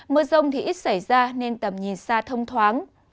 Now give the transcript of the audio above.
mưa rông thì ít xảy ra nên tầm nhìn xa thông thoáng